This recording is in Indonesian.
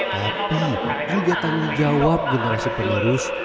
tapi angka tanggung jawab generasi penerus